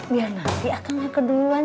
biar nanti akan gak keduan